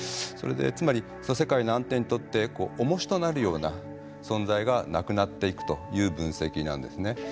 つまり世界の安定にとっておもしとなるような存在がなくなっていくという分析なんですね。